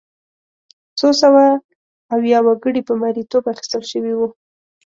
څو سوه ویا وګړي په مریتوب اخیستل شوي وو.